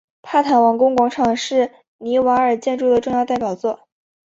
帕坦王宫广场是尼瓦尔建筑的重要代表作。